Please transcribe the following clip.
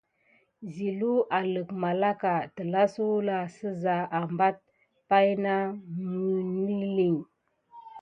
Zilelou alik malaka tila zula sisa aɓeti pay na munilin.